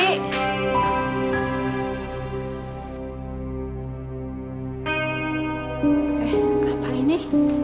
eh kenapa ini